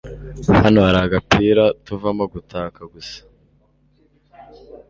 Hano hari agapira tuvamo gutaka gusa